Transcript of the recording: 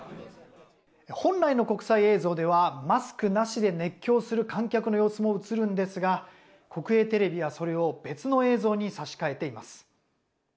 本来の国際映像ではマスクなしで熱狂する観客の様子も映るんですが国営テレビは、それを別の映像に差し替えています。